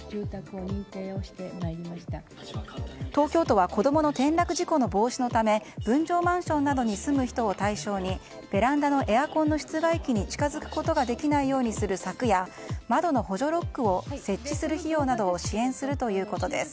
東京都は子供の転落事故の防止のため分譲マンションなどに住む人を対象にベランダのエアコンの室外機に近づくことができないようにする柵や窓の補助ロックを設置する費用などを支援するということです。